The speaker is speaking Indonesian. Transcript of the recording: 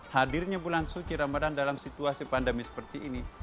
hadirnya bulan suci ramadan dalam situasi pandemi seperti ini